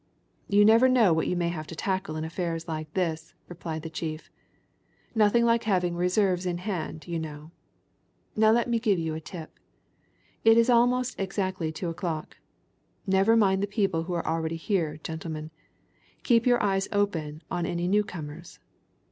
"You never know what you may have to tackle in affairs like this," replied the chief. "Nothing like having reserves in hand, you know. Now let me give you a tip. It is almost exactly two o'clock. Never mind the people who are already here, gentlemen. Keep your eyes open on any new comers.